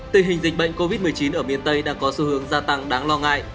tình hình dịch bệnh covid một mươi chín ở miền tây đang có xu hướng gia tăng đáng lo ngại